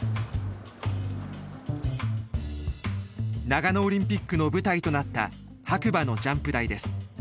長野オリンピックの舞台となった白馬のジャンプ台です。